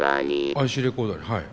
ＩＣレコーダーにはい。